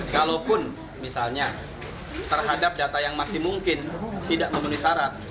kalaupun misalnya terhadap data yang masih mungkin tidak memenuhi syarat